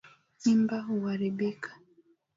Mimba kuharibika